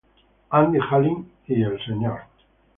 Andi Halim y Mr.